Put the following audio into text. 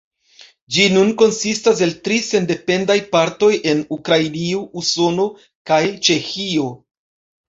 Ĝi nun konsistas el tri sendependaj partoj en Ukrainio, Usono kaj Ĉeĥio.